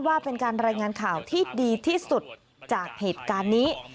ว่าเป็นการรายงานข่าวที่ดีที่สุดจากเหตุการณ์นี้